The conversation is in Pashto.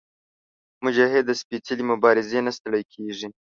مجاهد د سپېڅلې مبارزې نه ستړی کېږي.